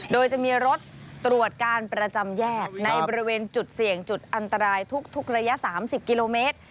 โดยจะมีรถตรวจการประจำแยกในบริเวณจุดเสี่ยงจุดอันตรายทุกระยะ๓๐กิโลเมตร